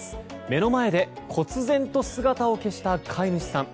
目の前で忽然と姿を消した飼い主さん。